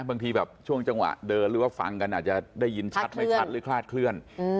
บางทีแบบช่วงจังหวะเดินหรือว่าฟังกันอาจจะได้ยินชัดไม่ชัดหรือคลาดเคลื่อน